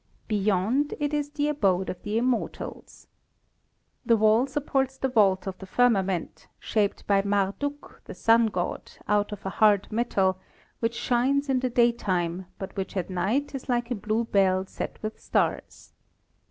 Beyond it is the abode of the immortals. The wall sup ports the vault of the firmament, shaped by Marduk, the Sun god, out of a hard metal, which shines in the daytime but which at night is like a blue bell set with stars.